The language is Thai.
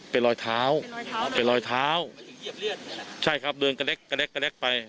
เป็นรอยเท้าเป็นรอยเท้าใช่ครับเดินกระแด๊กกระแด๊กกระแด๊กไป